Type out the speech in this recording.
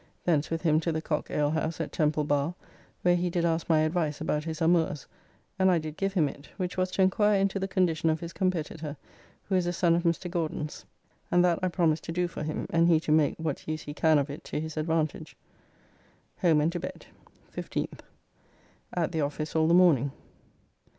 Thence with him to the Cock alehouse at Temple Bar, where he did ask my advice about his amours, and I did give him it, which was to enquire into the condition of his competitor, who is a son of Mr. Gauden's, and that I promised to do for him, and he to make [what] use he can of it to his advantage. Home and to bed. 15th. At the office all the morning.